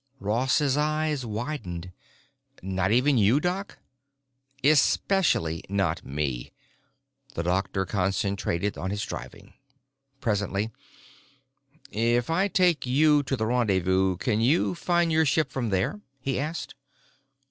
Ross's eyes widened. "Not even you, Doc?" "Especially not me." The doctor concentrated on his driving. Presently: "If I take you to the rendezvous, can you find your ship from there?" he asked.